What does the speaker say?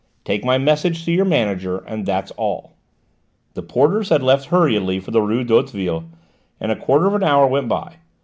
Take my message to your manager, and that's all." The porters had left hurriedly for the rue d'Hauteville and a quarter of an hour went by.